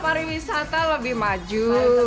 pariwisata lebih maju